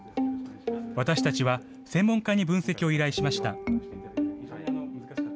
私たちは専門家に分析を依頼しました。